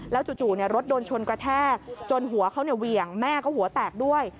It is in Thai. จู่รถโดนชนกระแทกจนหัวเขาเหวี่ยงแม่ก็หัวแตกด้วย